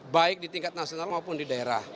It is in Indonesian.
baik di tingkat nasional maupun di daerah